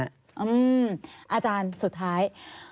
อาจารย์สุดท้าย